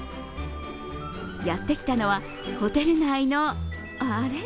やってきたのは、ホテル内のあれ？